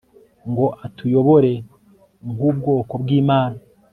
ngo atuyobore nkubwoko bwImana